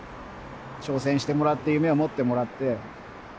挑戦してもらって夢を持ってもらって。